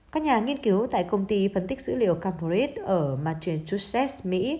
các nhà nghiên cứu tại công ty phân tích dữ liệu calvary ở massachusetts mỹ